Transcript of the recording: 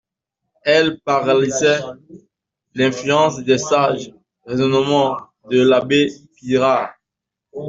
Elles paralysaient l'influence des sages raisonnements de l'abbé Pirard.